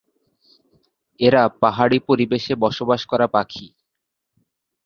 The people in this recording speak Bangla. এরা পাহাড়ি পরিবেশে বসবাস করা পাখি।